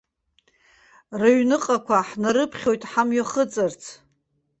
Рыҩныҟақәа ҳнарыԥхьоит ҳамҩахыҵырц.